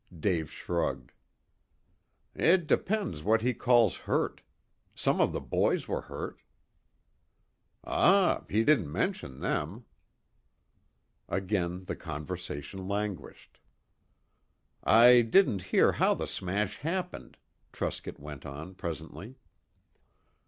Dave shrugged. "It depends what he calls hurt. Some of the boys were hurt." "Ah. He didn't mention them." Again the conversation languished. "I didn't hear how the smash happened," Truscott went on presently.